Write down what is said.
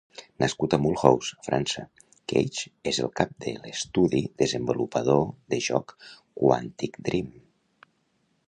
Nascut a Mulhouse, França, Cage es el cap de l'estudi desenvolupador de joc "Quantic Dream".